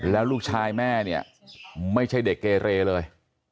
แล้วลูกชายแม่เนี่ยไม่ใช่เด็กเกเรเลย